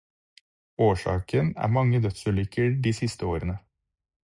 Årsaken er mange dødsulykker de siste årene.